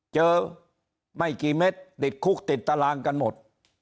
เจอไม่กี่เม็ดติดคุกติดตารางกันหมด